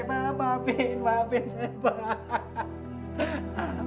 saya akan melakukan ini lagi pak maafin saya pak